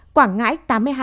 quảng ngãi tám mươi hai ca